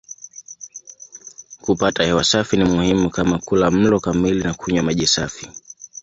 Kupata hewa safi ni muhimu kama kula mlo kamili na kunywa maji safi.